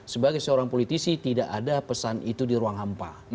sebagai seorang politisi tidak ada pesan itu di ruang hampa